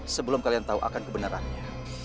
sebelum kalian tahu akan kebenarannya